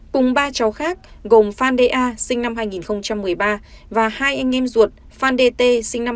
cùng ba cháu khác gồm phan da sinh năm hai nghìn một mươi ba và hai anh em ruột phan dt sinh năm hai nghìn một mươi hai